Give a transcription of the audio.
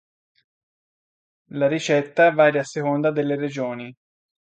La ricetta varia a seconda delle regioni.